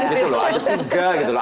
ada tiga gitu loh